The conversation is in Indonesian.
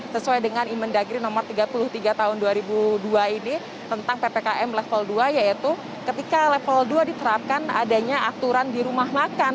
sesuai dengan imen dagri nomor tiga puluh tiga tahun dua ribu dua ini tentang ppkm level dua yaitu ketika level dua diterapkan adanya aturan di rumah makan